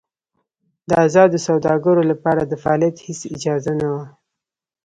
د ازادو سوداګرو لپاره د فعالیت هېڅ اجازه نه وه.